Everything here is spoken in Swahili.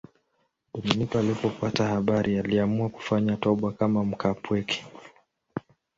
Dominiko alipopata habari aliamua kufanya toba kama mkaapweke.